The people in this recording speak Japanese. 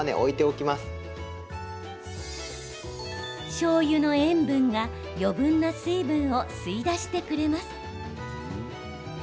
しょうゆの塩分が余分な水分を吸い出してくれます。